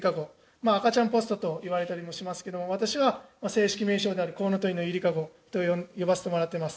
まあ「赤ちゃんポスト」と言われたりもしますけども私は正式名称である「こうのとりのゆりかご」と呼ばせてもらっています。